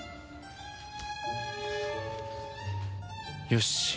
よし。